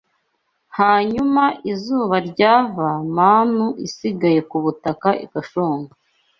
Hanyuma izuba ryava, manu isigaye ku butaka igashonga